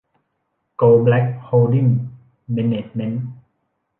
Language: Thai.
โกลเบล็ก โฮลดิ้ง แมนเนจเม้นท์